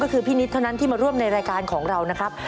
ก็คือพี่นิดเท่านั้นที่มาร่วมในรายการของเรานะครับ